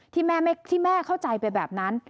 ที่แม่เข้าใจไปแบบนั้น